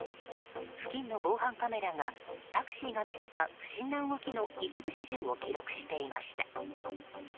付近の防犯カメラがタクシーが見せた不審な動きの一部始終を記録していました。